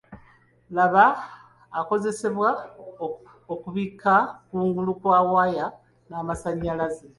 Labba akozesebwa okubikka kungulu kwa waya z'amasanyalaze